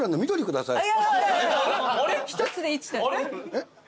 えっ？